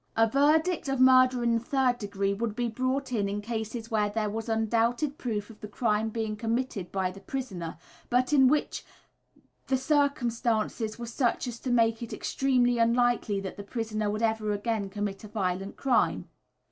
A verdict of "Murder in the third degree" would be brought in in cases where there was undoubted proof of the crime being committed by the prisoner, but in which the circumstances were such as to make it extremely unlikely that the prisoner would ever again commit a violent crime.